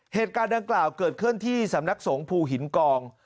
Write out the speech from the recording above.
เหตุการณ์ดังกล่าวเกิดขึ้นที่สำนักสงภูหินกอง